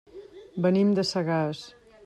Venim de Sagàs.